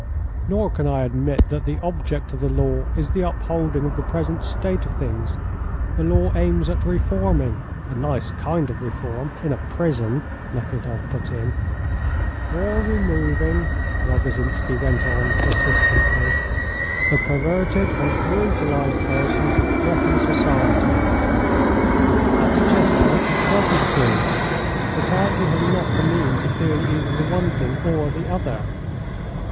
"Nor can I admit that the object of the law is the upholding of the present state of things. The law aims at reforming " "A nice kind of reform, in a prison!" Nekhludoff put in. "Or removing," Rogozhinsky went on, persistently, "the perverted and brutalised persons that threaten society." "That's just what it doesn't do. Society has not the means of doing either the one thing or the other."